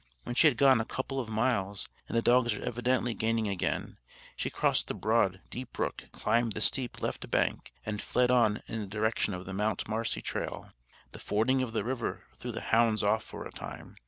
When she had gone a couple of miles, and the dogs were evidently gaining again, she crossed the broad, deep brook, climbed the steep, left bank, and fled on in the direction of the Mount Marcy trail. The fording of the river threw the hounds off for a time.